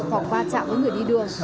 hoặc qua chạm với người đi đường